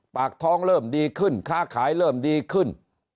ปากท้องเริ่มดีขึ้นค้าขายเริ่มดีขึ้น